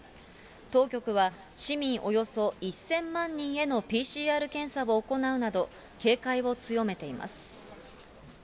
当局は、市民およそ１０００万人へのＰＣＲ検査を行うなど、警戒を強めています。